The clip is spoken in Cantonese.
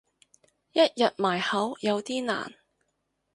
一日埋口有啲難